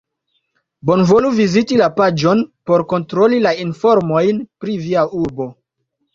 Bonvolu viziti la paĝon por kontroli la informojn pri via urbo.